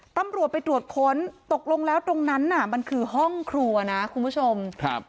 ตำรวจไปตรวจค้นตกลงแล้วตรงนั้นน่ะมันคือห้องครัวนะคุณผู้ชมครับ